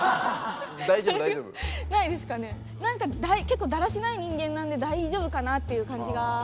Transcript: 結構だらしない人間なんで大丈夫かな？っていう感じが。